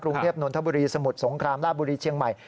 กรุงเทพนนทบุรีสมุทรสงครามลาบบุรีเชียงใหม่